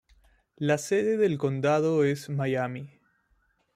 La sede del condado es Miami.